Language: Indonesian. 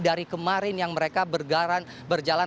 dari kemarin yang mereka bergaran berjalan